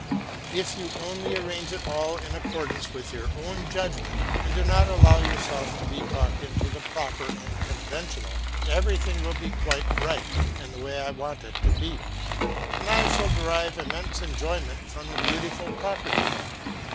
If you only arrange it all in accordance with your own judgment and do not allow yourself to be talked into the proper and conventional, everything will be quite right, and the way I want it to be; and I shall derive immense enjoyment from the beautiful property.